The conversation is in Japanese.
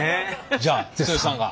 じゃあ剛さんが。